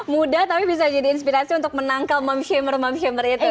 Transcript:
mudah tapi bisa jadi inspirasi untuk menangkal mom shamer mom shamer itu ya